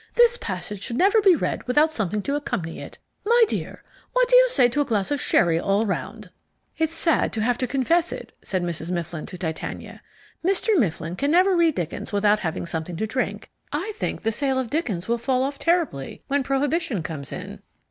This passage should never be read without something to accompany it. My dear, what do you say to a glass of sherry all round?" "It is sad to have to confess it," said Mrs. Mifflin to Titania, "Mr. Mifflin can never read Dickens without having something to drink. I think the sale of Dickens will fall off terribly when prohibition comes in."